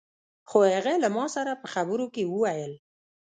خو هغه له ما سره په خبرو کې وويل.